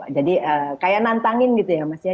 jadi kayak nantangin gitu ya mas riyah